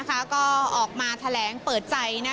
ก็ออกมาแถลงเปิดใจ